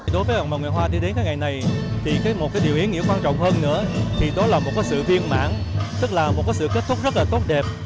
đối với mọi người hoa đi đến ngày này một điều ý nghĩa quan trọng hơn nữa là một sự viên mãn tức là một sự kết thúc rất tốt đẹp